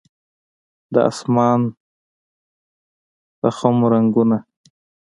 د اسمان د خم رنګونه